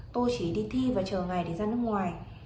tôi chỉ đi thi và chờ ngày đi ra nước ngoài